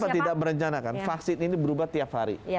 kenapa tidak berencana kan vaksin ini berubah tiap hari